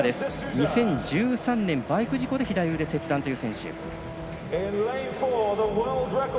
２０１３年、バイク事故で左腕切断という選手。